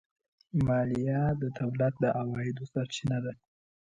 مالیه د دولت د عوایدو سرچینه ده.